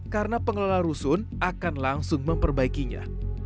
karena pengelola rusun akan langsung memperbaikinya